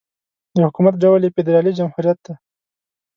د حکومت ډول یې فدرالي جمهوريت دی.